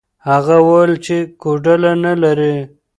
هغه وویل چې کوډله نه لري.